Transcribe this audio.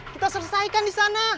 kita selesaikan di sana